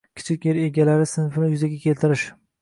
Kichik yer egalari sinfini yuzaga keltirish